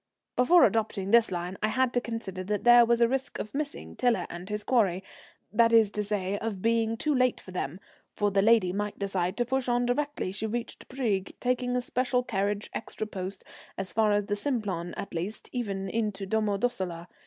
Before adopting this line I had to consider that there was a risk of missing Tiler and his quarry; that is to say, of being too late for them; for the lady might decide to push on directly she reached Brieg, taking a special carriage extra post as far as the Simplon at least, even into Domo Dossola.